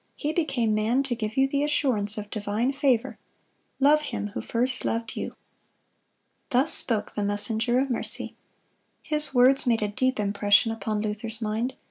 He became man to give you the assurance of divine favor," "Love Him who first loved you."(162) Thus spoke this messenger of mercy. His words made a deep impression upon Luther's mind.